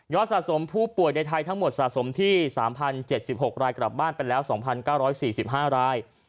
สะสมผู้ป่วยในไทยทั้งหมดสะสมที่๓๐๗๖รายกลับบ้านไปแล้ว๒๙๔๕ราย